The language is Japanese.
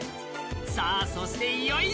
さあ、そしていよいよ